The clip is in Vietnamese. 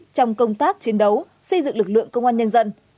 trong công tác chiến đấu xây dựng lực lượng công an nhân dân